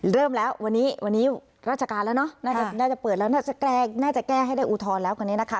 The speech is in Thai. เริ่มแล้ววันนี้วันนี้ราชการแล้วเนอะน่าจะเปิดแล้วน่าจะแก้ให้ได้อุทธรณ์แล้วกันนี้นะคะ